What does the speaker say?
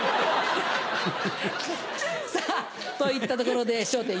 さぁといったところで『笑点』